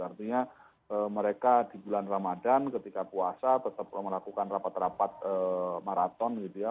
artinya mereka di bulan ramadan ketika puasa tetap melakukan rapat rapat maraton gitu ya